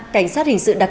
cảnh sát hình sự đặc biệt